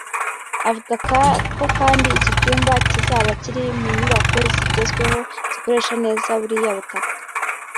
Avuga ko kandi iki cyumba kizaba kiri mu nyubako zigezweho zikoresha neza buriya butaka